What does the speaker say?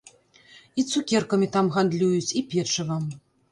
І цукеркамі там гандлююць, і печывам.